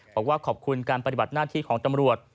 บอกว่าขอบคุณการปฏิบัติหน้าที่ของตำรวจ